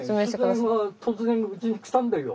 取材が突然うちに来たんだよ。